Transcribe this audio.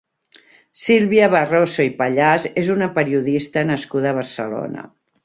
Sílvia Barroso i Pallàs és una periodista nascuda a Barcelona.